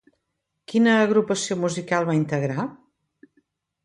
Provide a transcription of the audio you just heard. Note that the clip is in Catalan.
Quina agrupació musical va integrar?